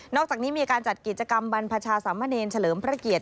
อกจากนี้มีการจัดกิจกรรมบรรพชาสามเณรเฉลิมพระเกียรติ